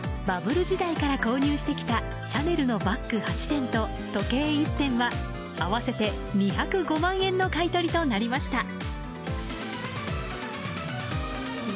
バブル時代から購入してきたシャネルのバッグ８点と時計１点は合わせて２０５万円の買い取りとなりました。